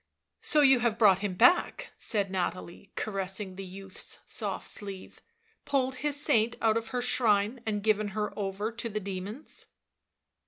" So you have brought him back," said Nathalie, caressing the youth's soft sleeve ;" pulled his saint out of her shrine and given her over to the demons."